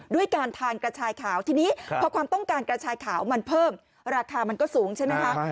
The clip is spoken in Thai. ด้วยการทานกระชายขาวทีนี้พอความต้องการกระชายขาวมันเพิ่มราคามันก็สูงใช่ไหมคะ